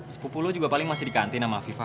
sepupu lo juga paling masih di kantin sama afifah